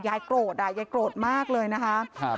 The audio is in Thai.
โกรธอ่ะยายโกรธมากเลยนะคะ